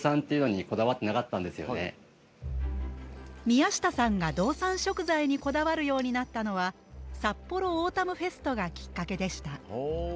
宮下さんが、道産食材にこだわるようになったのはさっぽろオータムフェストがきっかけでした。